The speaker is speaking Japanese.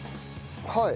はい。